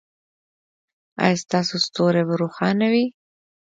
ایا ستاسو ستوری به روښانه وي؟